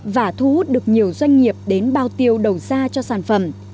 và thu hút được nhiều doanh nghiệp đến bao tiêu đầu ra cho sản phẩm